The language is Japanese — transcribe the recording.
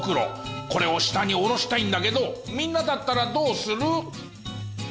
これを下に下ろしたいんだけどみんなだったらどうする？